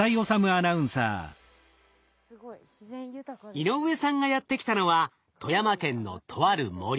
井上さんがやって来たのは富山県のとある森。